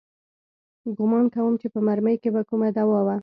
ګومان کوم چې په مرمۍ کښې به کومه دوا وه.